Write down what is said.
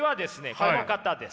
この方です。